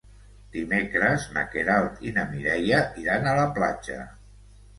Dimecres na Queralt i na Mireia iran a la platja.